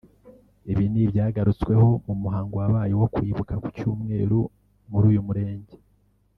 Ibi ni ibyagarutsweho mu muhango wabaye wo kwibuka ku cyumweru muri uyu murenge